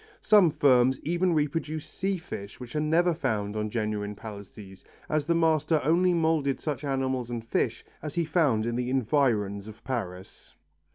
Some firms even reproduce sea fish which are never found on genuine Palissys, as the master only moulded such animals and fish as he found in the environs of Paris.